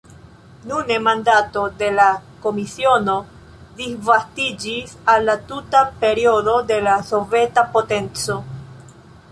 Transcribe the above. Nune mandato de la komisiono disvastiĝis al la tuta periodo de la soveta potenco.